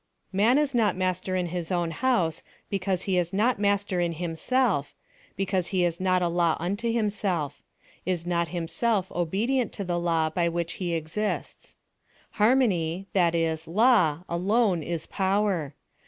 Man is not master in his own house because he is not master in himself, because he is not a law unto himself is not himself obedient to the law by which he exists. Harmony, that is law, alone is power.